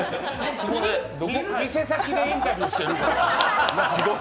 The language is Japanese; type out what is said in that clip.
店先でインタビューしてるみたい。